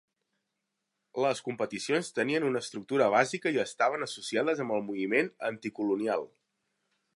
Les competicions tenien una estructura bàsica i estaven associades amb el moviment anticolonial.